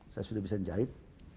saya sudah bisa menjahit